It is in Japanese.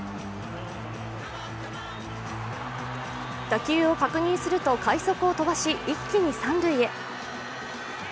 打球を確認すると快足を飛ばし一気に三塁へ。